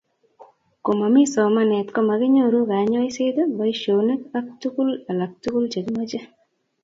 Komomii somanet komakinyoru kanyoiset, boishonik ak tukul alak tukul che kimoche